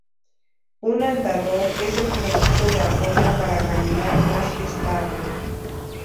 Un andador es el producto de apoyo para caminar más estable.